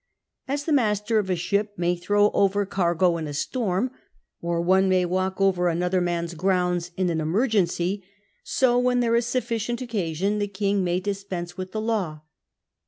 As the master of a ship may throw over the cargo in a storm, or one may walk over another man's grounds in an emergency, so when there is sufficient occasion the King may dispense with the law.